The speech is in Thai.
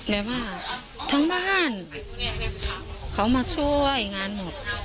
แบบว่าทั้งบ้านเขามาช่วยงานหมด